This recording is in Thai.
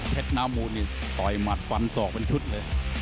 น้ำมูลนี่ต่อยหมัดฟันศอกเป็นชุดเลย